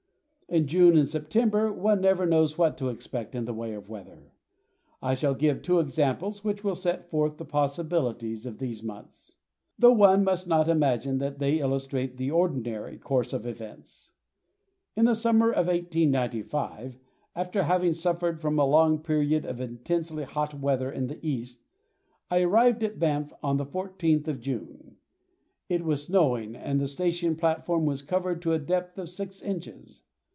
In June and September one never knows what to expect in the way of weather. I shall give two examples which will set forth the possibilities of these months, though one must not imagine that they illustrate the ordinary course of events. In the summer of 1895, after having suffered from a long period of intensely hot weather in the east, I arrived at Banff on the 14th of June. It was snowing and the station platform was covered to a depth of six inches.